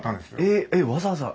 えっわざわざ？